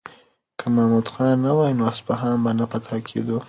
که محمود خان نه وای نو اصفهان به نه فتح کېدو.